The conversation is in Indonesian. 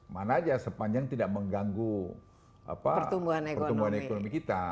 mana aja sepanjang tidak mengganggu pertumbuhan ekonomi kita